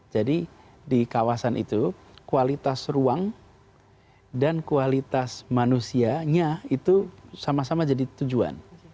jadi di kawasan itu kualitas ruang dan kualitas manusianya itu sama sama jadi tujuan